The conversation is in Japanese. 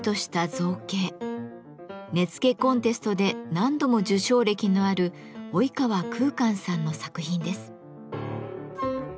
根付コンテストで何度も受賞歴のある及川空観さんの作品です。